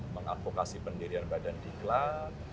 mengadvokasi pendirian badan diklat